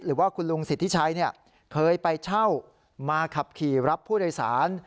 หรือว่าคุณลุงสิทธิชัยเคยไปเช่ามาขับขี่รับผู้โดยสาร